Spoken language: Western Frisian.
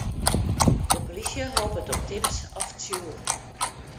De polysje hopet op tips of tsjûgen.